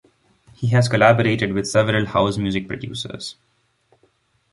He has collaborated with several house music producers.